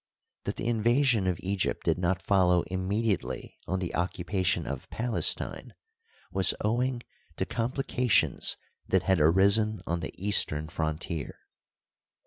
That the invasion of Egypt did not fol low immediately on the occupation of Palestine was owing to complications that had arisen on the eastern frontier.